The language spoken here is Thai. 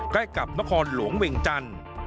ใกล้กับนครหลวงเวียงจันทร์